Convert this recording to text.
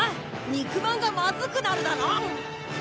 肉まんがまずくなるだろ！